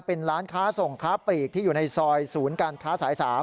เป็นร้านค้าส่งค้าปลีกที่อยู่ในซอยศูนย์การค้าสาย๓